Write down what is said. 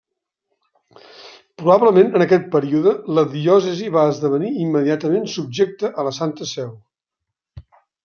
Probablement en aquest període la diòcesi va esdevenir immediatament subjecta a la Santa Seu.